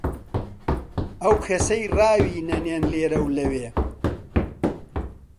ئەو کەسەی ڕاوی نەنێن لێرە و لەوێ،